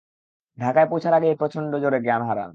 ঢাকায় পৌঁছার আগেই প্রচণ্ড জ্বরে জ্ঞান হারালেন।